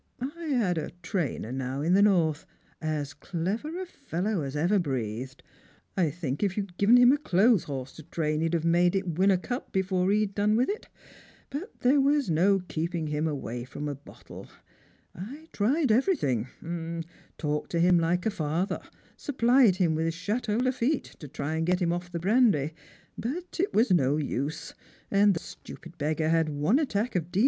I had a trainer, now, in the north, as clever a fellow as ever breathed. I think if you'd given him a clothes horse to train, he'd have made it win a cup before he'd done with it. But there was no keeping him away from the bottle. I tried everything; talked to him like a father, supplied him with chateau Lafitte, to try and get him otf brandy ; but it was no use, and the stupid beggar had one attack of D. T.